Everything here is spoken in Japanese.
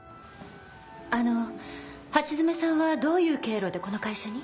あの橋爪さんはどういう経路でこの会社に？